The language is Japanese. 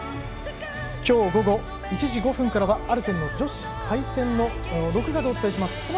今日午後１時５分からはアルペンの女子回転を録画でお伝えします。